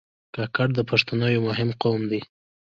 کاکړ د پښتنو یو مهم قوم دی.